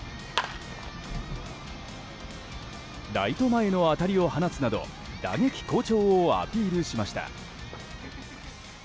ライト前の当たりを放つなど打撃好調をアピールしました。